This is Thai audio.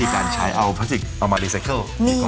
การใช้เอาพลาสติกเอามารีไซเคิล